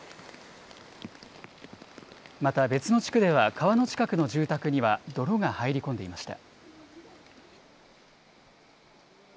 また別の地区では、川の近くの住宅には泥が入り込んでいました。